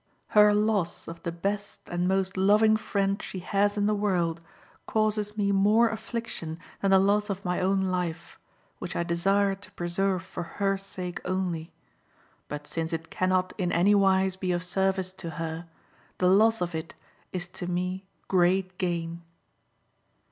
Her loss of the best and most loving friend she has in the world causes me more affliction than the loss of my own life, which I desired to pre serve for her sake only. But since it cannot in any wise be of service to her, the loss of it is to me great gain."